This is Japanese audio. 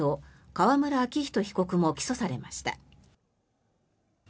川村秋人被告も起訴されました。